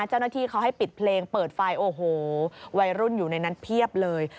เจ้าหน้าที่เขาให้ปิดเพลงเปิดไฟโอ้โหวัยรุ่นอยู่ในนั้นเพียบเลย